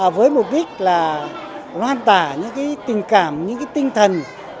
với mục đích là loan tỏa những tình cảm những tinh thần